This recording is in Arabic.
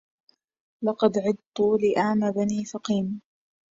لقد عضت لئام بني فقيم